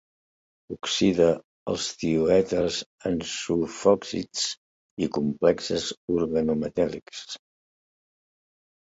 Oxida els tioèters en sulfòxids i complexes organometàl·lics.